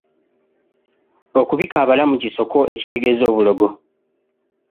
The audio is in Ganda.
Okubika abalamu kisoko ekitegeeza obulogo.